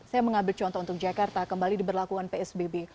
saya mengambil contoh untuk jakarta kembali diberlakukan psbb